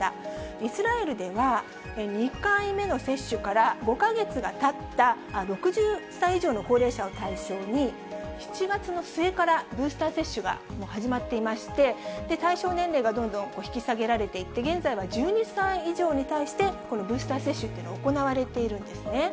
イスラエルでは２回目の接種から５か月がたった６０歳以上の高齢者を対象に、７月の末からブースター接種がもう始まっていまして、対象年齢がどんどん引き下げられていって、現在は１２歳以上に対して、このブースター接種というのが行われているんですね。